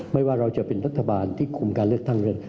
ไม่ว่าเราจะเป็นรัฐบาลที่คุมการเลือกตั้ง